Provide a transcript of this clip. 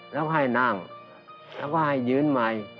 แล้วให้นั่งแล้วก็ให้ยืนใหม่